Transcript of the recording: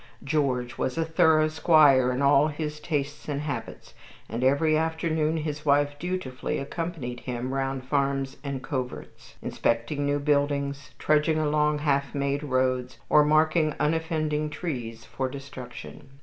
George was a thorough squire in all his tastes and habits, and every afternoon his wife dutifully accompanied him round farms and coverts, inspecting new buildings, trudging along half made roads, or marking unoffending trees for destruction.